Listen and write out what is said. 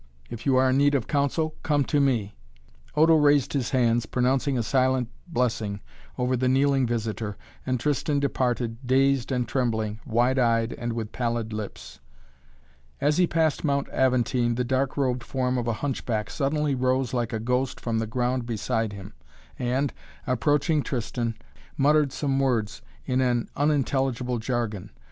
If you are in need of counsel, come to me!" Odo raised his hands, pronouncing a silent blessing over the kneeling visitor and Tristan departed, dazed and trembling, wide eyed and with pallid lips. As he passed Mount Aventine the dark robed form of a hunchback suddenly rose like a ghost from the ground beside him and, approaching Tristan, muttered some words in an unintelligible jargon.